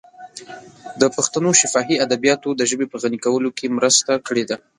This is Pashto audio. د پښتنو شفاهي ادبیاتو د ژبې په غني کولو کې مرسته کړې ده.